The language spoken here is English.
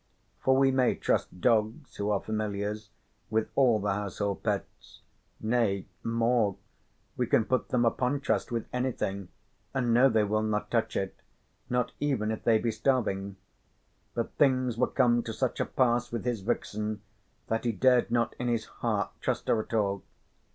For we may trust dogs who are familiars, with all the household pets; nay more, we can put them upon trust with anything and know they will not touch it, not even if they be starving. But things were come to such a pass with his vixen that he dared not in his heart trust her at all.